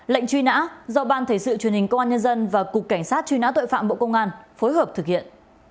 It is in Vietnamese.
lệnh truy nã do ban thể sự truyền hình công an nhân dân và cục cảnh sát truy nã tội phạm bộ công an phối hợp thực hiện